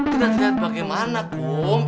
tidak terlihat bagaimana kum